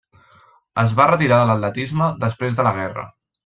Es va retirar de l'atletisme després de la guerra.